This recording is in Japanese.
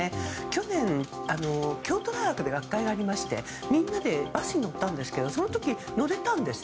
去年、京都大学で学会がありましてみんなでバスに乗ったんですがその時、乗れたんです。